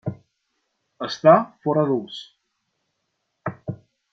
Està fora d'ús.